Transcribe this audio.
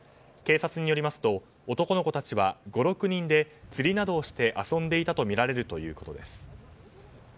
警察によりますと男の子たちは５６人で釣りなどをして遊んでいたとみられるということです。